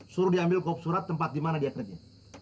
suruh diambil kop surat tempat dimana dia kerja